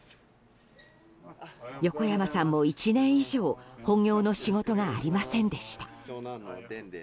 横山さんも１年以上本業の仕事がありませんでした。